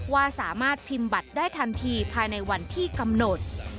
ว่าสามารถพิมพ์บัตรได้ทันทีภายในวันที่กำหนด